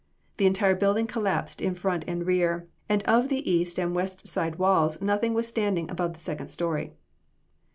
The entire building collapsed in front and rear, and of the east and west side walls nothing was standing above the second story.